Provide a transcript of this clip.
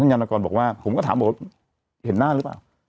ยานกรบอกว่าผมก็ถามบอกว่าเห็นหน้าหรือเปล่า